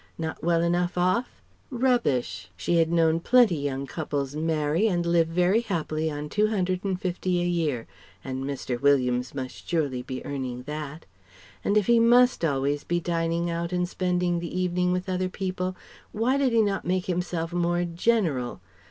Not well enough off? Rubbish! She had known plenty young couples marry and live very happily on Two hundred and fifty a year, and Mr. Williams must surely be earning that? And if he must always be dining out and spending the evening with other people, why did he not make himself more 'general?'